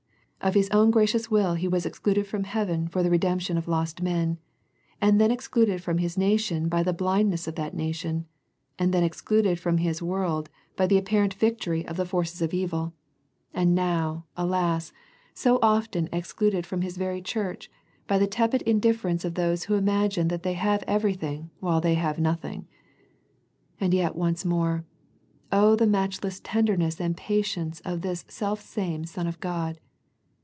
Of His own gracious will He was excluded from His heaven for the redemption of lost men; and then excluded from His nation by the blindness of that nation ; and then excluded from His world by the apparent victory of 21 6 A First Century Message the forces of evil. And now, alas, so often excluded from His very Church by the tepid indifference of those who imagine that they have everything while they have nothing. And yet once more. Oh, the matchless ten derness and patience of this selfsame Son of God.